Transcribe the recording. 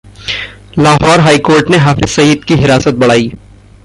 Lahore high court ने हाफिज सईद की हिरासत बढ़ाई